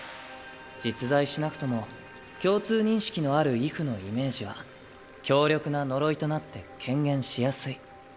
実在しなくとも共通認識のある畏怖のイメージは強力な呪いとなって顕現しやすい。